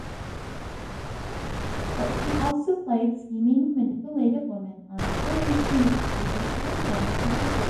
But she also played scheming, manipulative women on television mysteries and crime drama procedurals.